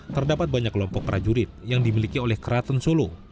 terdapat banyak kelompok prajurit yang dimiliki oleh keraton solo